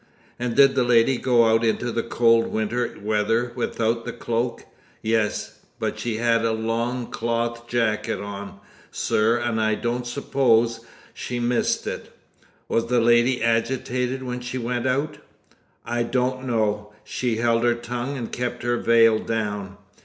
"And did the lady go out into the cold winter weather without the cloak?" "Yes; but she had a long cloth jacket on, sir, so I don't s'pose she missed it." "Was the lady agitated when she went out?" "I don't know. She held her tongue and kept her veil down."